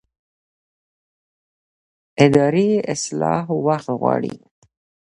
اداري اصلاح وخت غواړي